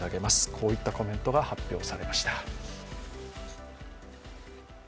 こういったコメントが発表されました。